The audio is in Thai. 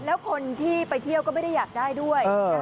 แล้วคนที่ไปเที่ยวก็ไม่ได้อยากได้ด้วย